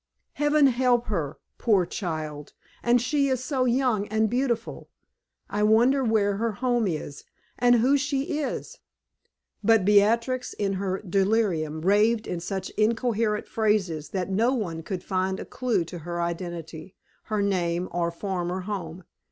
Heaven help her, poor child! And she is so young and beautiful. I wonder where her home is, and who she is?" But Beatrix, in her delirium, raved in such incoherent phrases that no one could find a clew to her identity, her name, or former home.